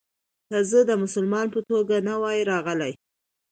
که زه د مسلمان په توګه نه وای راغلی.